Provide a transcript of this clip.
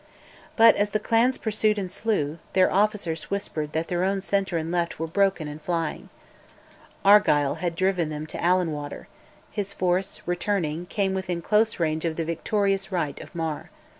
But, as the clans pursued and slew, their officers whispered that their own centre and left were broken and flying. Argyll had driven them to Allan Water; his force, returning, came within close range of the victorious right of Mar.